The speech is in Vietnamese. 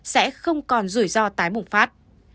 sẽ không còn rủi ro tái bùng phát